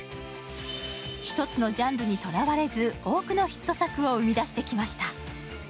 一つのジャンルにとらわれず多くのヒット作を生み出してきました。